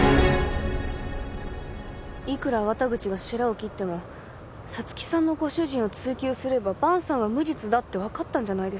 いくら粟田口がしらを切っても五月さんのご主人を追及すれば萬さんは無実だってわかったんじゃないですか？